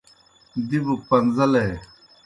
دِبوْ گہ پن٘زیلے۔